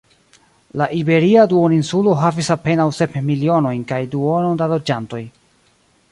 La Iberia Duoninsulo havis apenaŭ sep milionojn kaj duonon da loĝantoj.